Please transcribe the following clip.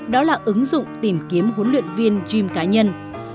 đó là ứng dụng tìm kiếm huấn luyện viên gream cá nhân